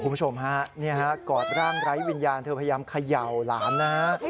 คุณผู้ชมฮะกอดร่างไร้วิญญาณเธอพยายามเขย่าหลานนะฮะ